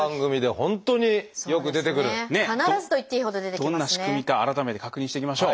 どんな仕組みか改めて確認していきましょう。